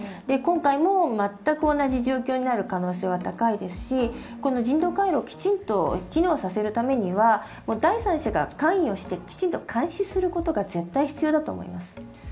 今回も全く同じ状況になる可能性は高いですしこの人道回廊きちんと機能させるためには第三者が関与してきちんと監視することが絶対必要だと思います。